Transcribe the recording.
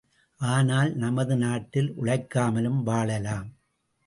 ஆனால், நமது நாட்டில் உழைக்காமலும் வாழலாம்.